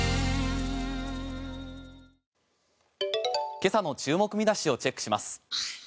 今朝の注目見出しをチェックします。